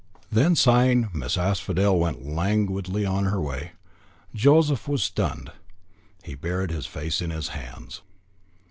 Then, sighing, Miss Asphodel went languidly on her way. Joseph was as one stunned. He buried his face in his hands.